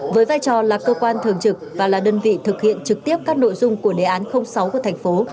với vai trò là cơ quan thường trực và là đơn vị thực hiện trực tiếp các nội dung của đề án sáu của thành phố